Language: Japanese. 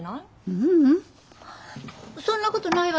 ううんそんなことないわよ。